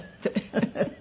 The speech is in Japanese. フフフフ。